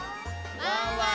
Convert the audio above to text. ワンワン